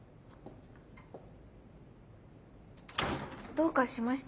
どうかしました？